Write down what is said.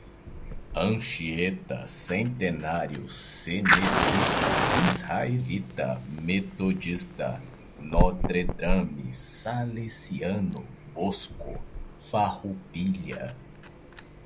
Anchieta, Centenário, Cenecista, Israelita, Metodista, Notre Drame, Salesiano, Bosco, Farroupilha